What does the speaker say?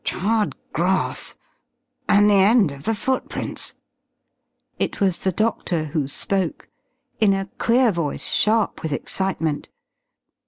"Charred grass. And the end of the footprints!" It was the doctor who spoke in a queer voice sharp with excitement.